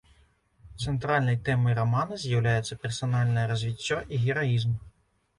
Цэнтральнай тэмай рамана з'яўляюцца персанальнае развіццё і гераізм.